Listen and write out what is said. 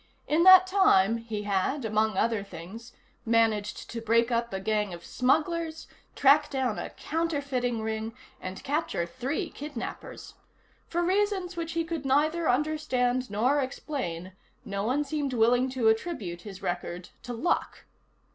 In that time, he had, among other things, managed to break up a gang of smugglers, track down a counterfeiting ring, and capture three kidnappers. For reasons which he could neither understand nor explain, no one seemed willing to attribute his record to luck.